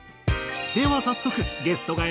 では早速ゲストが選ぶ